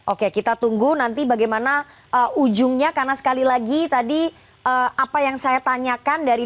oke kita tunggu nanti bagaimana ujungnya karena sekali lagi tadi apa yang saya tanyakan dari